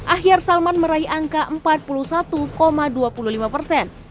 ahyar salman meraih angka empat puluh satu dua puluh lima persen